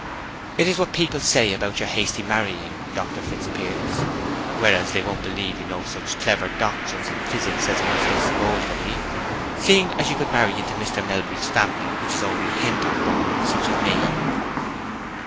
"It is what people say about your hasty marrying, Dr. Fitzpiers. Whereas they won't believe you know such clever doctrines in physic as they once supposed of ye, seeing as you could marry into Mr. Melbury's family, which is only Hintock born, such as me."